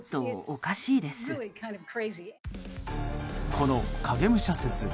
この影武者説。